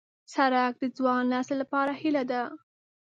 سړک د ځوان نسل لپاره هیله ده.